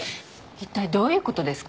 一体どういうことですか？